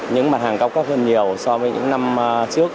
những mặt hàng cao cấp hơn nhiều so với những năm trước